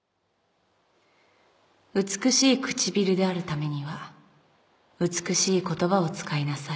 「美しい唇であるためには美しい言葉を使いなさい」